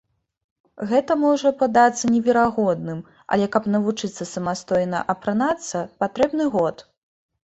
Гэта можа падацца неверагодным, але каб навучыцца самастойна апранацца, патрэбны год.